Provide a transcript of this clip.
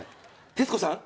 徹子さん